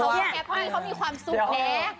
เพราะว่าเขามีความสุขเนาะ